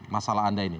masalah anda ini